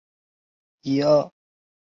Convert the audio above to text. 撒拉更怂其赶走夏甲母子。